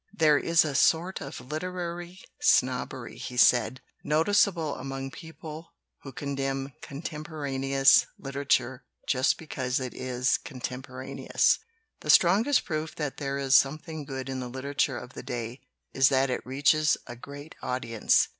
" There is a sort of literary snobbery," he said, "noticeable among people who condemn contem poraneous literature just because it is contem poraneous. The strongest proof that there is something good in the literature of the day is that it reaches a great audience.